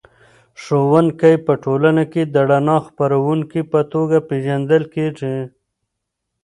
ښوونکی په ټولنه کې د رڼا د خپروونکي په توګه پېژندل کېږي.